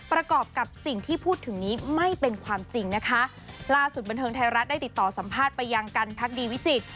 ประกอบกับสิ่งที่พูดถึงนี้ไม่เป็นความจริงนะคะล่าสุดบันเทิงไทยรัฐได้ติดต่อสัมภาษณ์ไปยังกันพักดีวิจิตร